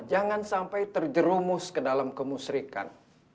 jangan sampai terjerumus ke dalam kemusrikan